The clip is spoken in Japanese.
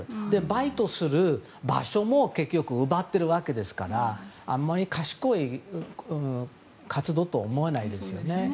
バイトする場所も結局、奪ってるわけですからあまり賢い活動とは思えないですよね。